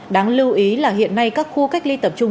đáng lưu ý là hiện nay các khu cách ly tập trung